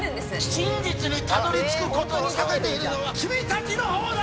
真実にたどりつくことを避けているのは君たちの方だ！